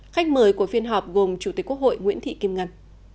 khách mời của phiên họp gồm chủ tịch quốc hội nguyễn thị kim ngân